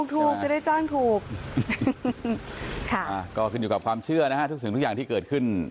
ถูกจะได้จ้างถูกค่ะก็คืนอยู่กับความเชื่อนะก็เงียบที่เกิดขึ้น